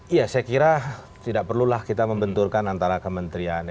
iya saya kira tidak perlulah kita membenturkan antara kementerian